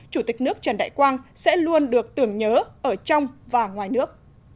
chủ tịch nước trần đại quang sẽ luôn được tưởng nhớ ở trong và ngoài nước